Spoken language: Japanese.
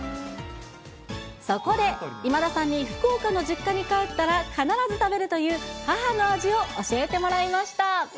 そこで、今田さんに福岡の実家に帰ったら必ず食べるという母の味を教えてもらいました。